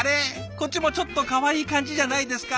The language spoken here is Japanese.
こっちもちょっとかわいい感じじゃないですか？